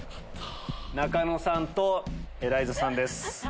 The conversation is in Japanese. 仲野さんとエライザさんです。